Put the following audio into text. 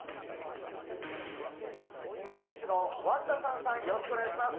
店主のワンダサンさん、よろしくお願いします。